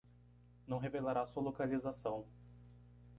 Não revelará sua localização